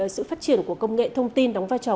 sự phát triển của công nghệ thông tin đóng vai trò